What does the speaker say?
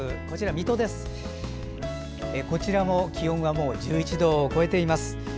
こちらも気温はもう１１度を超えています。